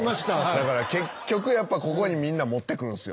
だから結局ここにみんな持ってくるんすよ。